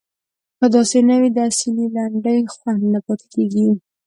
که داسې نه وي د اصیلې لنډۍ خوند نه پاتې کیږي.